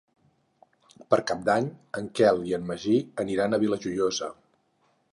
Per Cap d'Any en Quel i en Magí aniran a la Vila Joiosa.